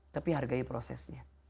tapi hargai prosesnya